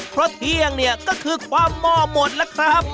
เพราะเที่ยงก็คือความหม้อมดนะครับ